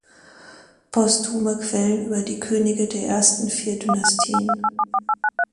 Posthume Quellen über die Könige der ersten vier Dynastien"“.